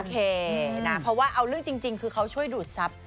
โอเคนะเพราะว่าเอาเรื่องจริงคือเขาช่วยดูดซับ